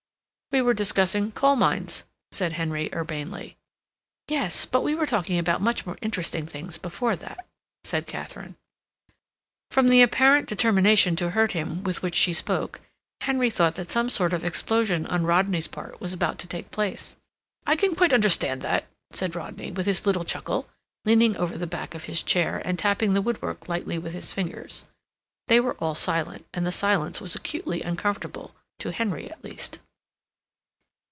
"We were discussing coal mines," said Henry urbanely. "Yes. But we were talking about much more interesting things before that," said Katharine. From the apparent determination to hurt him with which she spoke, Henry thought that some sort of explosion on Rodney's part was about to take place. "I can quite understand that," said Rodney, with his little chuckle, leaning over the back of his chair and tapping the woodwork lightly with his fingers. They were all silent, and the silence was acutely uncomfortable to Henry, at least.